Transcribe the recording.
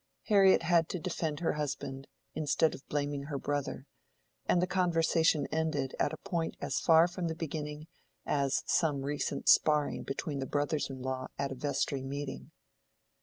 Harriet had to defend her husband instead of blaming her brother, and the conversation ended at a point as far from the beginning as some recent sparring between the brothers in law at a vestry meeting.